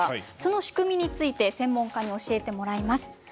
仕組みについて専門家に教えてもらいます。